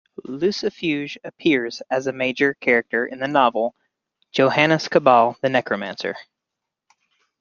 Lucifuge appears as a major character in the novel, "Johannes Cabal the Necromancer".